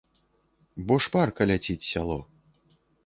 Бо шпарка ляціць сяло.